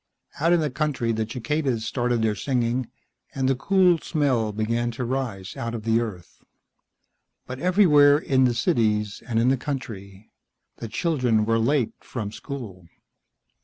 Out in the country the cicadas started their singing, and the cool smell began to rise out of the earth. But everywhere, in the cities and in the country, the children were late from school.